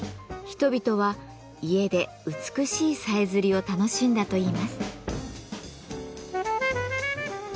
人々は家で美しいさえずりを楽しんだといいます。